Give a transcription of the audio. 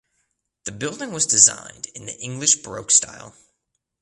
The building was designed in the English Baroque style.